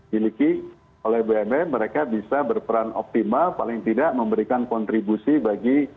dimiliki oleh bumn mereka bisa berperan optimal paling tidak memberikan kontribusi bagi